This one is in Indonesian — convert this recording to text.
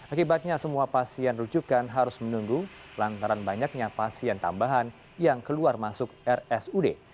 akibatnya semua pasien rujukan harus menunggu lantaran banyaknya pasien tambahan yang keluar masuk rsud